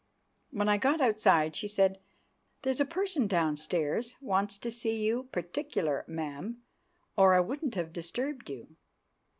When I got outside she said, "There's a person downstairs wants to see you particular, ma'am, or I wouldn't have disturbed you."